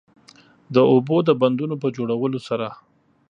د اوبو د بندونو په جوړولو سره